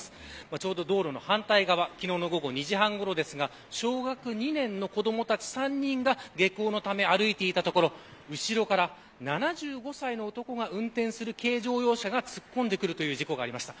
ちょうど道路の反対側昨日の午後２時半ごろですが小学２年の子どもたち３人が下校のため歩いていたところ後ろから７５歳の男が運転する軽乗用車が突っ込んでくるという事故がありました。